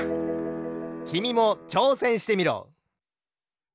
きみもちょうせんしてみろ。